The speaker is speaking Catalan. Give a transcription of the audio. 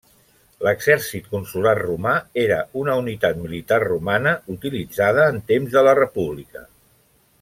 L'exèrcit consular romà era una unitat militar romana utilitzada en temps de la república.